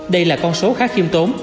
đây là con số khá khiêm tốn